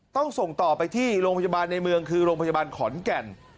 ต้องส่งต่อไปที่โรงพยาบาลในเมืองคือโรงพยาบาลขอนแก่น